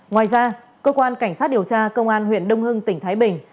ngoài ra cơ quan cảnh sát điều tra công an huyện đông hưng tỉnh thái bình